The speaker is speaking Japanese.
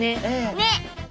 ねっ。